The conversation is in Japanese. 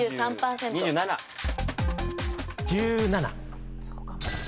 １７。